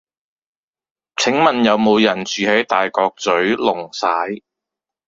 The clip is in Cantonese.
請問有無人住喺大角嘴瓏璽